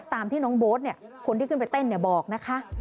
ตามที่น้องโบ๊ทคนที่ขึ้นไปเต้นบอกนะคะ